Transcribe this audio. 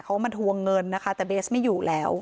เขามาทวงเงินนะคะแต่เบสไม่อยู่แล้ว